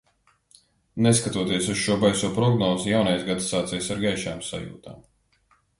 Neskatoties uz šo baiso prognozi, jaunais gads sācies ar gaišām sajūtām.